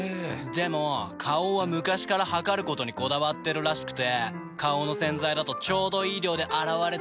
でも花王は昔から量ることにこだわってるらしくて花王の洗剤だとちょうどいい量で洗われてるなって。